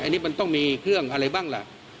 อันนี้มันต้องมีเครื่องชีพในกรณีที่มันเกิดเหตุวิกฤตจริงเนี่ย